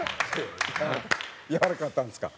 やわらかかったんですか。